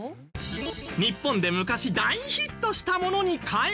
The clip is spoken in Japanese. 日本で昔大ヒットしたものに変えた。